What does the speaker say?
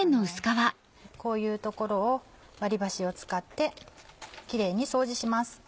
こういう所を割り箸を使ってキレイに掃除します。